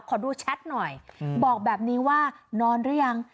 ขอดูแชทหน่อยบอกแบบนี้ว่านอนหรือยัง